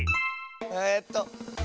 えっとえ